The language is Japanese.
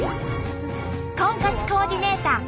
婚活コーディネーター